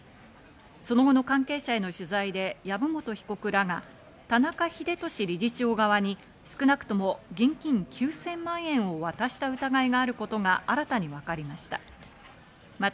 その後の関係者への取材で籔本被告らが田中英壽理事長側に少なくとも現金９０００万円を渡した疑いがあることが新たに分かりました。